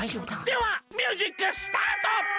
ではミュージックスタート！